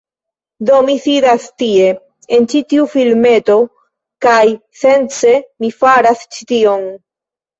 Do, mi sidas tie, en ĉi tiu filmeto, kaj, sence mi faras ĉi tion...